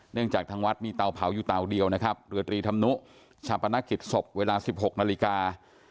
จากทางวัดมีเตาเผาอยู่เตาเดียวนะครับเรือตรีธรรมนุชาปนกิจศพเวลา๑๖นาฬิกา